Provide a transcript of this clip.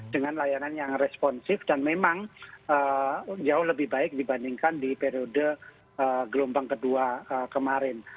dengan layanan yang responsif dan memang jauh lebih baik dibandingkan di periode gelombang kedua kemarin